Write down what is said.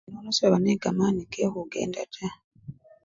Nono sebali nende kamani kekhukenda taa.